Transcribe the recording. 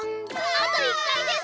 あと１かいです！